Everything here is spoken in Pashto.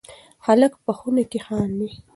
هلک په خونه کې خاندي.